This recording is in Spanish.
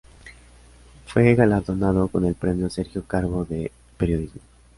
Fue galardonado con el Premio Sergio Carbó de periodismo.